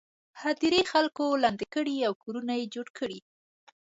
هدیرې خلکو لاندې کړي او کورونه یې جوړ کړي.